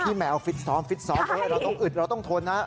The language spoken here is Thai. แมวฟิตซ้อมฟิตซ้อมเราต้องอึดเราต้องทนนะ